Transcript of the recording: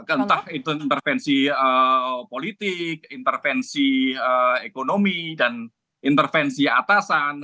entah itu intervensi politik intervensi ekonomi dan intervensi atasan